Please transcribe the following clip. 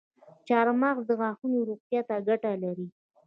چارمغز د غاښونو روغتیا ته ګټه لري.